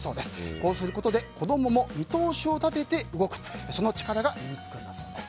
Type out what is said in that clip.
こうすることで子供も見通しを立てて動くその力が身に付くんだそうです。